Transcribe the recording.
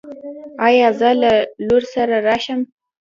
ایا زه له لور سره راشم؟